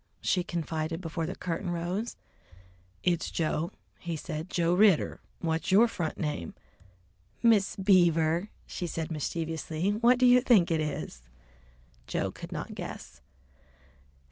she confided before the curtain rose. "It's Joe," he said, "Joe Ridder, What's your front name?" "Miss Beaver," she said mischievously. "What do you think it is?" Joe could not guess.